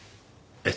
えっ？